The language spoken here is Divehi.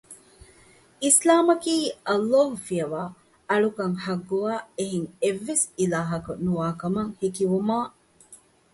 އިސްލާމަކީ، ﷲ ފިޔަވައި އަޅުކަން ޙައްޤުވާ އެހެން އެއްވެސް އިލާހަކު ނުވާ ކަމަށް ހެކިވުމާއި